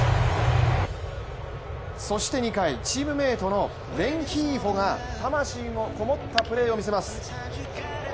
そして２回、チームメートのレンヒーフォが魂のこもったプレーを見せます。